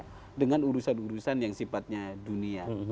jadi ini ada dua keputusan yang sifatnya dunia